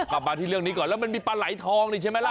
กลับมาที่เรื่องนี้ก่อนแล้วมันมีปลาไหลทองนี่ใช่ไหมล่ะ